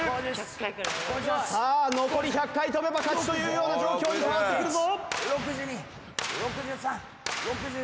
さあ残り１００回跳べば勝ちというような状況に変わってくるぞ。